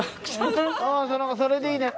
それでいいです！